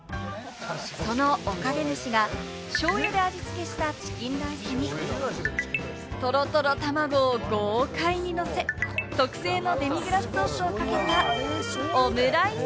そのおかげ飯が、しょうゆで味付けしたチキンライスにとろとろ卵を豪快にのせ、特製のデミグラスソースをかけたオムライス。